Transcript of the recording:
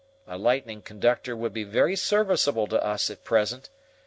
A lightning conductor would be very serviceable to us at present.